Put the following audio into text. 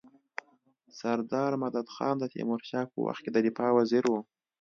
سردار مددخان د تيمورشاه په وخت کي د دفاع وزیر وو.